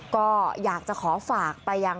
ก็อยากจะขอฝากไปยัง